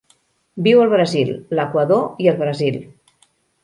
Viu al Brasil, l'Equador i el Brasil.